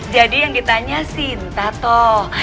jadi yang ditanya sinta toh